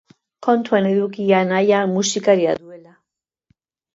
Kontuan eduki anaia musikaria duela.